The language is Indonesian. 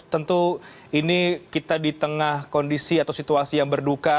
tentu ini kita di tengah kondisi atau situasi yang berduka